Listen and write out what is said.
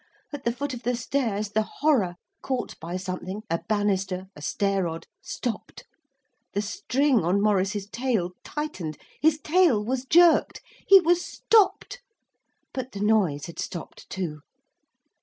At the foot of the stairs the horror, caught by something a banister a stair rod stopped. The string on Maurice's tail tightened, his tail was jerked, he was stopped. But the noise had stopped too.